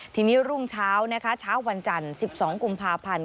ทีนี้รุ่งเช้านะคะเช้าวันจันทร์๑๒กุมภาพันธ์